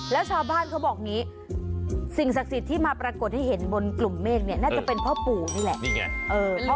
แล้วชาวบ้านเขาบอกอย่างนี้สิ่งศักดิ์สิทธิ์ที่มาปรากฏให้เห็นบนกลุ่มเมฆเนี่ยน่าจะเป็นพ่อปู่นี่แหละ